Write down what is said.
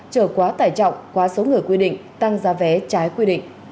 trở quá tải trọng quá số người quy định tăng giá vé trái quy định